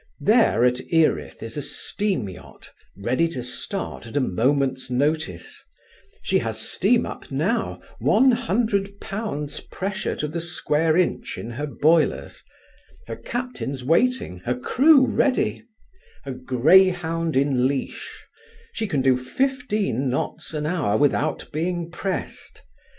There at Erith is a steam yacht ready to start at a moment's notice; she has steam up now, one hundred pounds pressure to the square inch in her boilers; her captain's waiting, her crew ready a greyhound in leash; she can do fifteen knots an hour without being pressed.